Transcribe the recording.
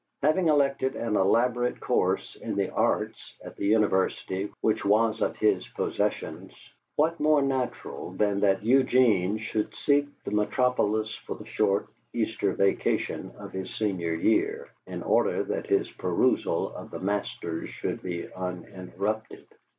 Having elected an elaborate course in the Arts, at the University which was of his possessions, what more natural than that Eugene should seek the Metropolis for the short Easter vacation of his Senior year, in order that his perusal of the Masters should be uninterrupted?